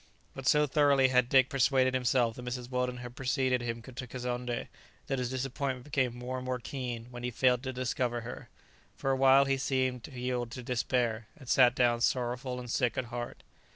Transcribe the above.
But so thoroughly had Dick persuaded himself that Mrs. Weldon had preceded him to Kazonndé that his disappointment became more and more keen when he failed to discover her. For a while he seemed to yield to despair, and sat down sorrowful and sick at heart.